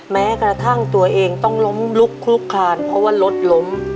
แม้กระทั่งตัวเองต้องล้มลุกคลุกคลานเพราะว่ารถล้ม